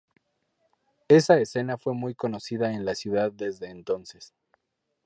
Esa escena fue muy conocida en la ciudad desde entonces.